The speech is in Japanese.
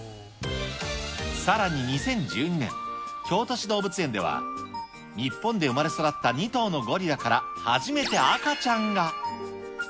さらに２０１２年、京都市動物園では、日本で生まれ育った２頭のゴリラから、初めて赤ちゃんが。